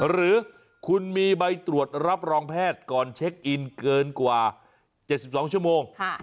หรือคุณมีใบตรวจรับรองแพทย์ก่อนเช็คอินเกินกว่า๗๒ชั่วโมง